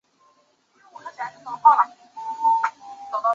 键盘战线条例草案而成立。